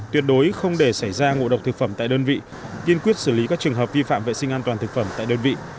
tuyệt đối không để xảy ra ngộ độc thực phẩm tại đơn vị kiên quyết xử lý các trường hợp vi phạm vệ sinh an toàn thực phẩm tại đơn vị